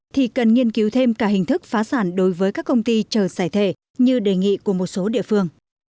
thì cần nghiên cứu thêm cả hình thức phá sản đối với các công ty chờ xảy thể như đề nghị của một số địa phương